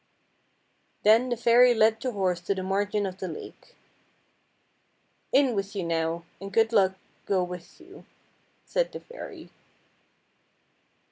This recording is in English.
Then the fairy led the horse to the margin of the lake. " In with you now, and good luck go with you," said the fairy.